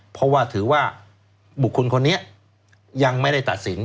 เพราะว่าถือว่าบุคคลคนนี้ยังไม่ได้ตัดสิน